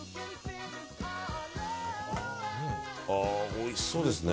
おいしそうですね。